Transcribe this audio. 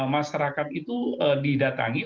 masyarakat itu didatangi